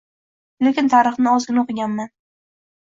Lekin tarixni ozgina o‘qiganman.